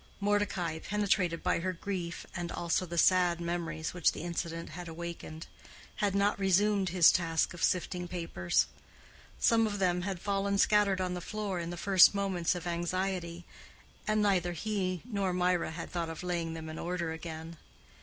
Mordecai, penetrated by her grief, and also the sad memories which the incident had awakened, had not resumed his task of sifting papers: some of them had fallen scattered on the floor in the first moments of anxiety, and neither he nor Mirah had thought of laying them in order again.